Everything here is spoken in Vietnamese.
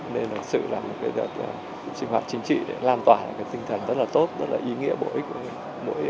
nên sự là một đợt trình hoạt chính trị để lan tỏa tinh thần rất là tốt rất là ý nghĩa bổ ích của người